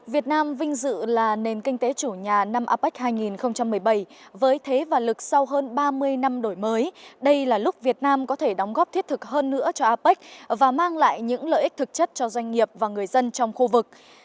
việt nam vinh dự là nền kinh tế chủ nhà năm apec hai nghìn một mươi bảy với thế và lực sau hơn ba mươi năm đổi mới đây là lúc việt nam có thể đóng góp thiết thực hơn nữa cho apec và mang lại những lợi ích thực chất cho doanh nghiệp và người dân trong khu vực